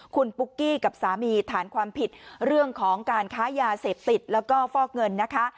คุณปุ๊กกี้กับสามีฐานความผิดเรื่องของการค้ายาเสพติดแล้วก็ฟอกเงินนะคะ